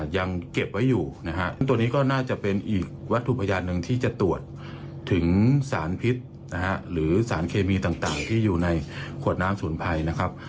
ยังเก็บไว้อยู่นะฮะซึ่งตัวนี้ก็น่าจะเป็นอีกวัตถุพยานหนึ่งที่จะตรวจถึงสารพิษนะฮะหรือสารเคมีต่างที่อยู่ในขวดน้ำสมุนไพรนะครับ